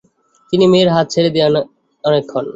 তিনি মেয়ের হাত ছেড়ে দিয়ে অনেকক্ষণ।